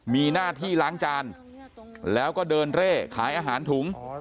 มีหน้าที่ล้างจานแล้วก็เดินเร่ขายอาหารถุง